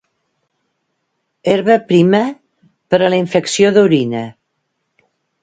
Herba prima, per a la infecció d'orina.